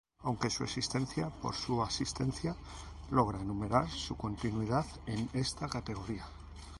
Aunque su experiencia por su asistencia, logra enumerar su continuidad en esta categoría.